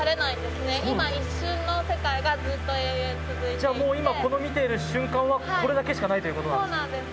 じゃあ今この見ている瞬間はこれだけしかないという事なんですか？